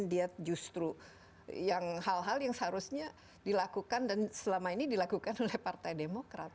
dia justru hal hal yang seharusnya dilakukan dan selama ini dilakukan oleh partai demokrat